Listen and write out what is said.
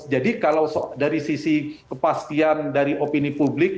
jadi kalau dari sisi kepastian dari opini publik